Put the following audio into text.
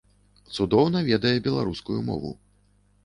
Цудоўна ведае беларускую мову.